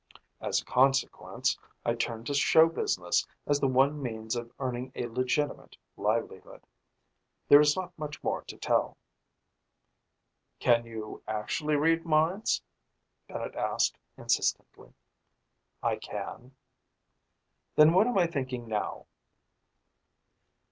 As a consequence, I turned to show business as the one means of earning a legitimate livelihood. There is not much more to tell." "Can you actually read minds?" Bennett asked insistently. "I can." "Then what am I thinking now?"